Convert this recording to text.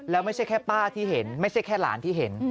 แล้วไม่ใช่แค่ป้าที่เห็นไม่ใช่แค่หลานที่เห็น